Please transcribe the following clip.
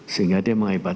sehingga dia mengaibat